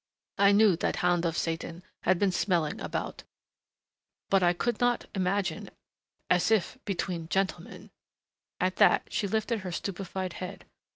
I knew that hound of Satan had been smelling about, but I could not imagine as if, between gentlemen " At that, she lifted her stupefied head....